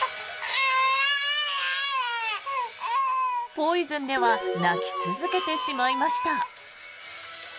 「ＰＯＩＳＯＮ」では泣き続けてしまいました。